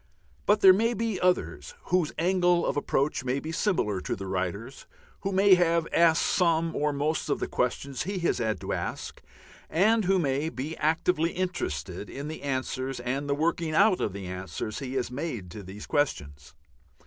But there may be others whose angle of approach may be similar to the writer's, who may have asked some or most of the questions he has had to ask, and who may be actively interested in the answers and the working out of the answers he has made to these questions.